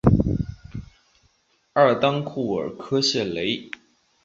阿尔当库尔科谢雷。